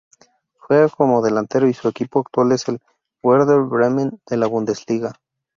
Juega como delantero y su equipo actual es el Werder Bremen de la Bundesliga.